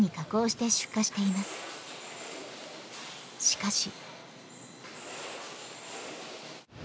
しかし。